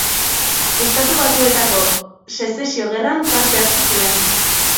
Estatu Batuetako Sezesio Gerran parte hartu zuen.